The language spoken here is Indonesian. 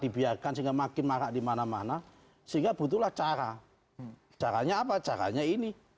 dibiarkan sehingga makin marah dimana mana sehingga butuhlah cara caranya apa caranya ini